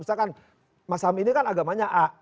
misalkan mas ham ini kan agamanya a